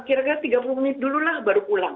kiranya tiga puluh menit dulu lah baru pulang